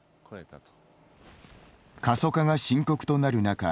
過疎化が深刻となる中